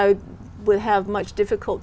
nhưng cuối cùng